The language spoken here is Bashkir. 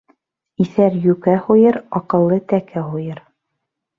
Иҫәр йүкә һуйыр, аҡыллы тәкә һуйыр.